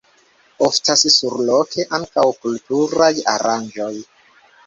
Oftas surloke ankaŭ kulturaj aranĝoj.